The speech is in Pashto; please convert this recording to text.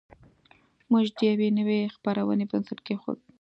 موږ د یوې نوې خپرونې بنسټ کېښود